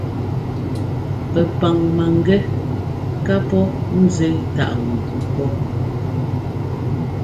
Pɛpaŋ mangɛ́ ká pɔ́ nzuɛ táʼ ŋu pɔ́.